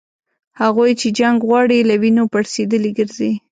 هغوی چي جنګ غواړي له وینو پړسېدلي ګرځي